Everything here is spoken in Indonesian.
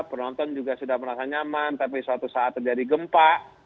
penonton juga sudah merasa nyaman tapi suatu saat terjadi gempa